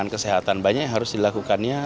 dan kesehatan banyak yang harus dilakukannya